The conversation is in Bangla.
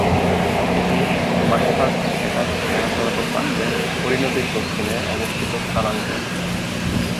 এটি মাশহাদ-হেরাত মহাসড়কের পাশে হরি নদীর দক্ষিণে অবস্থিত স্থানাঙ্কে।